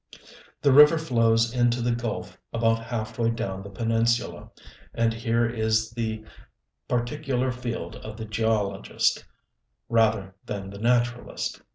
The river flows into the gulf about half way down the peninsula, and here is the particular field of the geologist, rather than the naturalist.